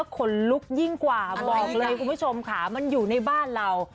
ขนลุกยิ่งกว่าบอกเลยคุณผู้ชมค่ะมันอยู่ในบ้านเรา